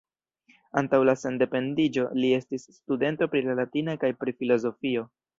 Antaŭ la sendependiĝo, li estis studento pri la latina kaj pri filozofio.